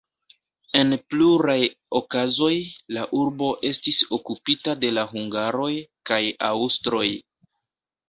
En pluraj okazoj, la urbo estis okupita de la hungaroj kaj aŭstroj.